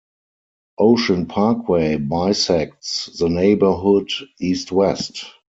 Ocean Parkway bisects the neighborhood east-west.